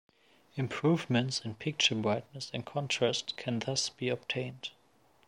Improvements in picture brightness and contrast can thus be obtained.